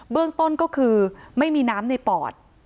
เรื่องต้นก็คือไม่มีน้ำในปอด